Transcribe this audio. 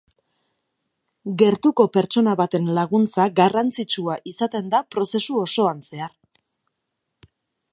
Gertuko pertsona baten laguntza garrantzitsua izaten da prozesu osoan zehar.